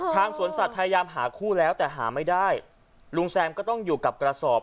สวนสัตว์พยายามหาคู่แล้วแต่หาไม่ได้ลุงแซมก็ต้องอยู่กับกระสอบ